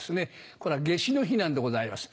これは夏至の日なんでございます。